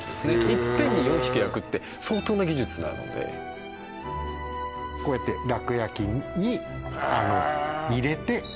いっぺんに４匹焼くって相当な技術なのでこうやって楽焼に入れてへえ